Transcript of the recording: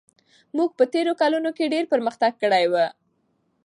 موږ په تېرو کلونو کې ډېر پرمختګ کړی و.